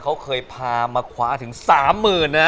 เค้าเคยพามาคว้าถึง๓หมื่นนะ